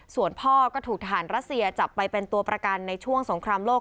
ส่วนพ่อก็ถูกทหารรัสเซียจับไปเป็นตัวประกันในช่วงสงครามโลก